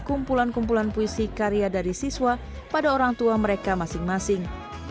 kumpulan kumpulan puisi karya dari siswa pada orang tua mereka masing masing